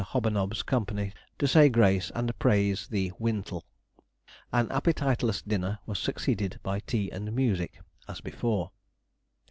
Hobanob's company, to say grace, and praise the 'Wintle.' An appetiteless dinner was succeeded by tea and music, as before.